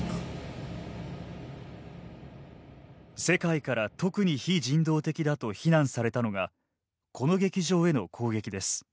世界から特に非人道的だと非難されたのがこの劇場への攻撃です。